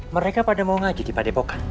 mereka pada mau ngaji di padepokan